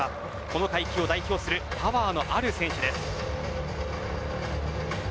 この階級を代表するパワーのある選手です。